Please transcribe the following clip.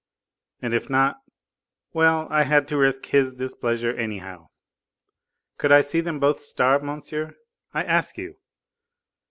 And if not well, I had to risk His displeasure anyhow. Could I see them both starve, monsieur? I ask you! and M.